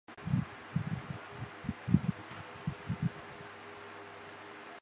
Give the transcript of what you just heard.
而中国足协也在官方网站上发表意见支持周海滨并将完善转会政策。